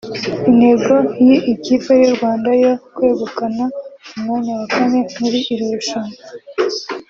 Intego y’ikipe y’u Rwanda yo kwegukana umwanya wa kane muri iri rushanwa